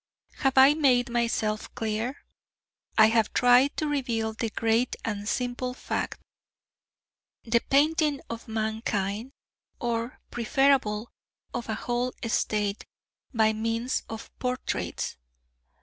Have I made myself clear? I have tried to reveal the great and simple fact: the painting of mankind, or, preferably, of a whole state, by means of portraits.